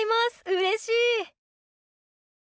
うれしい！